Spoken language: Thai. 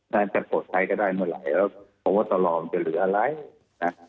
นายก็กดใครก็ได้เมื่อไหร่เพราะว่าตลอดมันจะเหลืออะไรนะ